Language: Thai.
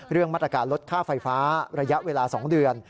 เรื่องมาตรการลดค่าไฟฟ้าระยะเวลา๒เดือน